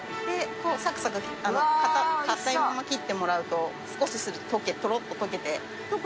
サクサク硬いまま切ってもらうと少しするとトロッと溶けて。